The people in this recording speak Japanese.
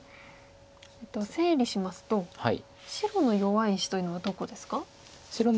整理しますと白の弱い石というのはどこですか？